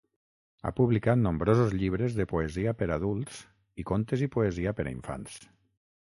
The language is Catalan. Ha publicat nombrosos llibres de poesia per adults, i contes i poesia per a infants.